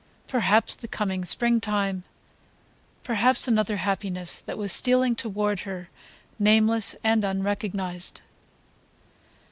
Perhaps the coming springtime ... perhaps another happiness that was stealing toward her, nameless and unrecognized.